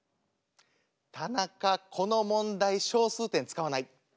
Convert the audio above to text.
この問題小数点使わない。